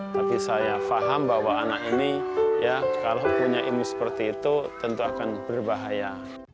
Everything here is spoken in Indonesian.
tapi saya paham bahwa anak ini ya kalau punya ilmu seperti itu tentu akan berbahaya